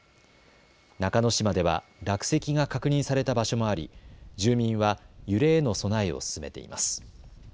中之島では落石が確認された場所もあり、住民は揺れへの備えを進めています。